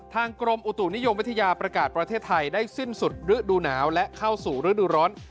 กรมอุตุนิยมวิทยาประกาศประเทศไทยได้สิ้นสุดฤดูหนาวและเข้าสู่ฤดูร้อน